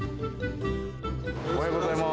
おはようございます。